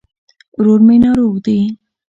ورور مي ناروغ دي